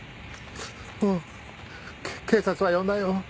うん警察は呼んだよ。